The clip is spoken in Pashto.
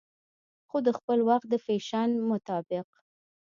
خو دخپل وخت د فېشن مطابق